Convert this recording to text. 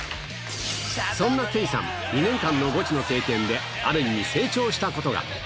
そんな圭さん、２年間のゴチの経験で、ある意味、成長したことが。